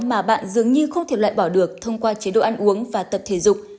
mà bạn dường như không thể loại bỏ được thông qua chế độ ăn uống và tập thể dục